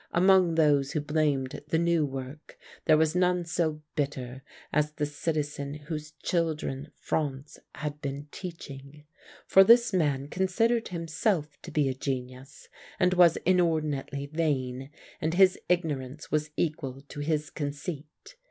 Among those who blamed the new work there was none so bitter as the citizen whose children Franz had been teaching. For this man considered himself to be a genius, and was inordinately vain, and his ignorance was equal to his conceit.